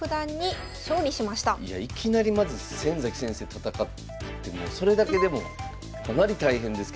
いきなりまず先崎先生と戦うってそれだけでもかなり大変ですけども。